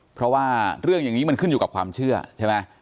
เพราะว่าเรื่องอย่างนี้มันขึ้นอยู่กับความเชื่อใช่ไหม